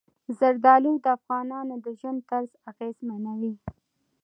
زردالو د افغانانو د ژوند طرز اغېزمنوي.